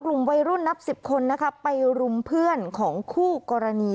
กลุ่มวัยรุ่นนับสิบคนนะคะไปรุมเพื่อนของคู่กรณี